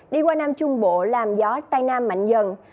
đi qua nam trung bộ làm gió tây nam mạnh dần